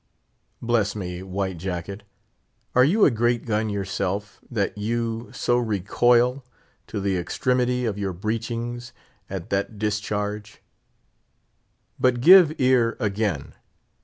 Bless me, White Jacket, are you a great gun yourself, that you so recoil, to the extremity of your breechings, at that discharge? But give ear again.